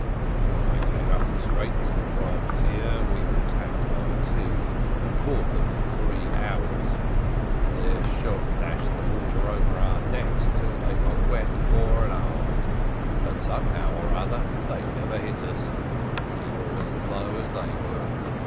When I came up the Straits in the privateer we were attacked by two, and fought them for three hours; their shot dashed the water over our decks till they were wet fore and aft, but somehow or another they never hit us we were as low as they were.